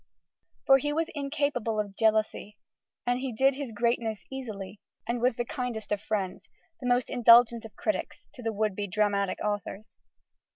For he was incapable of jealousy: he "did his greatness easily," and was the kindest of friends, the most indulgent of critics, to would be dramatic authors.